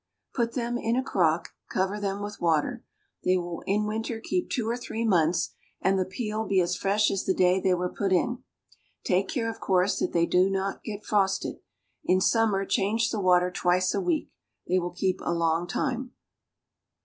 Put them in a crock, cover them with water. They will in winter keep two or three months, and the peel be as fresh as the day they were put in. Take care, of course, that they do not get frosted. In summer change the water twice a week; they will keep a long time.